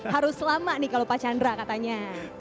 harus lama nih kalau pak chandra katanya